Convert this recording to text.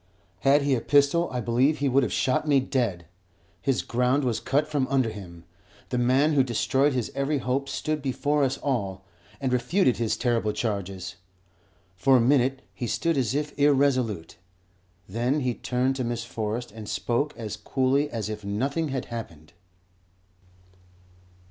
Had he a pistol I believe he would have shot me dead. His ground was cut from under him. The man who destroyed his every hope stood before us all, and refuted his terrible charges. For a minute he stood as if irresolute; then he turned to Miss Forrest and spoke as coolly as if nothing had happened.